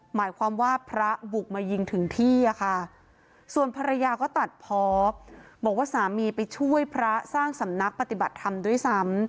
หมายความว่าพระบุกมายิงถึงที่อะค่ะส่วนภรรยาก็ตัดเพาะบอกว่าสามีไปช่วยพระสร้างสำนักปฏิบัติธรรมด้วยซ้ำ